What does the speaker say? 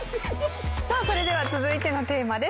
さあそれでは続いてのテーマです。